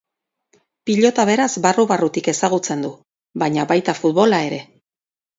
Pilota beraz, barru-barrutik ezagutzen du baina, baita futbola ere.